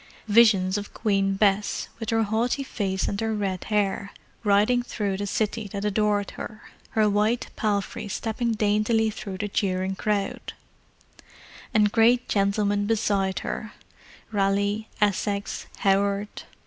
Visions of Queen Bess, with her haughty face and her red hair, riding through the City that adored her, her white palfrey stepping daintily through the cheering crowd: and great gentlemen beside her—Raleigh, Essex, Howard.